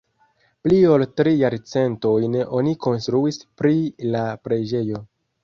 Pli ol tri jarcentojn oni konstruis pri la preĝejo.